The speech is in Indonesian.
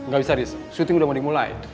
gak bisa haris shooting udah mau dimulai